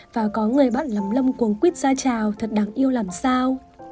và có người bạn lắm lâm cuồng quýt ra chào thật đáng yêu làm sao